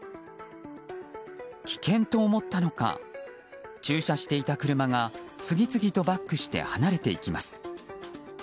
危険と思ったのか駐車していた車が次々とバックして離れていきます。